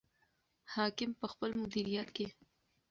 حاکم په خپل مدیریت کې.